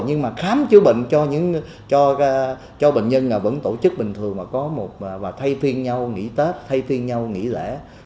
nhưng mà khám chữa bệnh cho bệnh nhân vẫn tổ chức bình thường và thay phiên nhau nghỉ tết thay phiên nhau nghỉ lễ